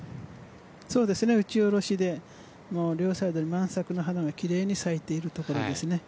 打ち下ろしで両サイドに花が奇麗に咲いているところですね。